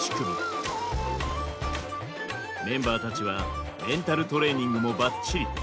メンバーたちはメンタルトレーニングもばっちり。